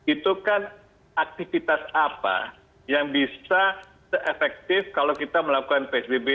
itu kan aktivitas apa yang bisa se efektif kalau kita melakukan psbb